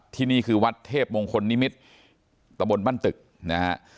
ที่นี่คือวัดเทพมงคลนิมิตรตะบนบ้านตึกนะฮะ